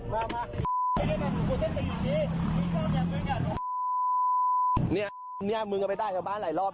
ต่อหน้าตำรวจมึงยังทำอย่างนี้เลย